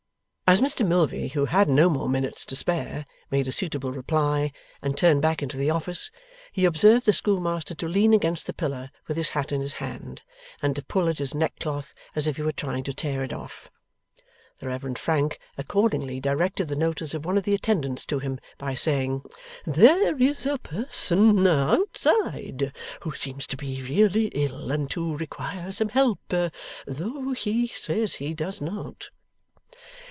As Mr Milvey, who had no more minutes to spare, made a suitable reply and turned back into the office, he observed the schoolmaster to lean against the pillar with his hat in his hand, and to pull at his neckcloth as if he were trying to tear it off. The Reverend Frank accordingly directed the notice of one of the attendants to him, by saying: 'There is a person outside who seems to be really ill, and to require some help, though he says he does not.